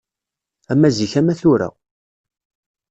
Ama zik ama tura